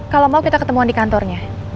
kalau mau kita ketemuan di kantornya